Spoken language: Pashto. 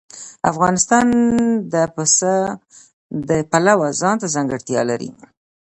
افغانستان د پسه د پلوه ځانته ځانګړتیا لري.